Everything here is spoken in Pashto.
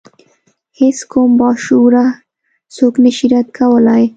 هیڅ کوم باشعوره څوک نشي رد کولای.